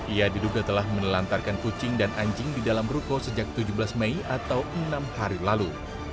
ia diduga telah menelantarkan kucing dan anjing di dalam ruko sejak tujuh belas mei atau enam hari lalu